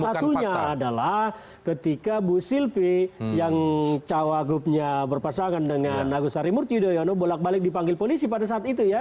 satunya adalah ketika bu silvi yang cawagupnya berpasangan dengan agus harimurti yudhoyono bolak balik dipanggil polisi pada saat itu ya